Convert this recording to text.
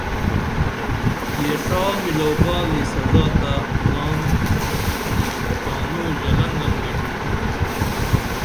یہ ݜا ملئو بالی سزا تہ زان تانوں ژلنگن گٹینُم ائی